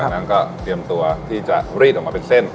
งั้นก็เตรียมตัวที่จะรีดออกมาเป็นเส้น